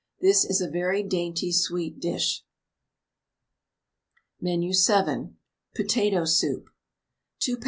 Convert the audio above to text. This is a very dainty sweet dish. MENU VII. POTATO SOUP. 2 lbs.